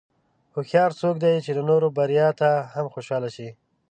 هوښیار څوک دی چې د نورو بریا ته هم خوشاله شي.